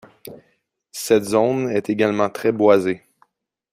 Cette zone est également très boisée.